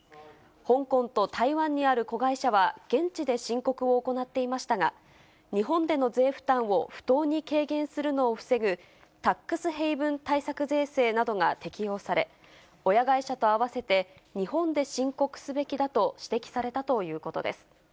香港と台湾にある子会社は、現地で申告を行っていましたが、日本での税負担を不当に軽減するのを防ぐタックスヘイブン対策税制などが適用され、親会社と合わせて日本で申告すべきだと指摘されたということです。